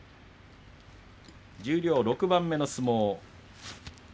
十両の６番目の相撲。